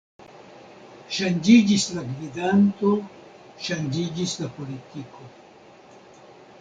Ŝanĝiĝis la gvidanto, ŝanĝiĝis la politiko.